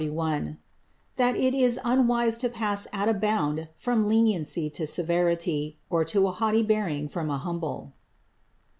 —_That it is unwise to pass at a bound from leniency to severity, or to a haughty bearing from a humble.